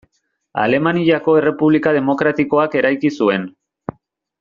Alemaniako Errepublika demokratikoak eraiki zuen.